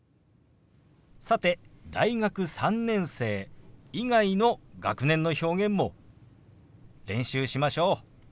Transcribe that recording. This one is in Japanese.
さて大学３年生以外の学年の表現も練習しましょう。